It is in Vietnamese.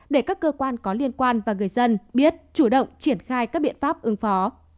để các cơ quan có liên quan và người dân biết chủ động triển khai các biện pháp ứng phó